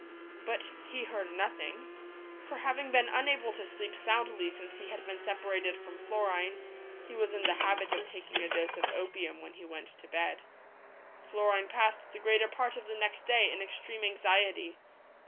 But he heard nothing, for having been 248 THE BLUE BIRD. unable to sleep soundly since he had been separated from blorine, he was in the habit of taking a dose of opium when he went to bed. Horine passed the greater part of the next day in extreme anxiety.